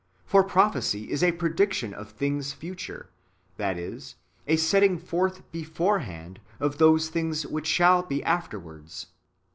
For prophecy is a prediction of things future, that is, a setting forth beforehand of those things which shall be afterwards.